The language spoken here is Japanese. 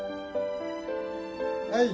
はい。